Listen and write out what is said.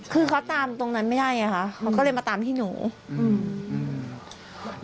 คือเขาตามตรงนั้นไม่ได้ไงคะมันก็เลยมาตามที่หนูอืม